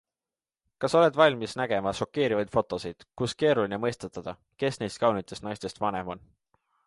Kas oled valmis nägema šokeerivaid fotosid, kus keeruline mõistatada - kes neist kaunitest naistest vanem on.